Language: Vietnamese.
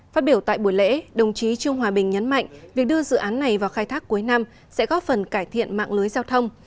phát biểu tại buổi lễ đồng chí trương hòa bình nhấn mạnh việc đưa dự án này vào khai thác cuối năm sẽ góp phần cải thiện mạng lưới giao thông